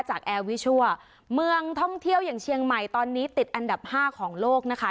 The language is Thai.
แอร์วิชัวร์เมืองท่องเที่ยวอย่างเชียงใหม่ตอนนี้ติดอันดับ๕ของโลกนะคะ